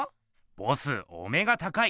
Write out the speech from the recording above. ボスお目が高い！